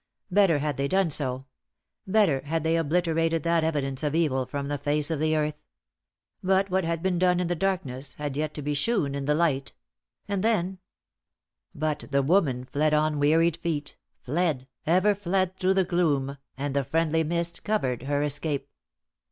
Better had they done so; better had they obliterated that evidence of evil from the face of the earth. But what had been done in the darkness had yet to be shewn in the light; and then but the woman fled on wearied feet, fled, ever fled through the gloom, and the friendly mists covered her escape.